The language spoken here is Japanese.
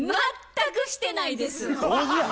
全くしてないです。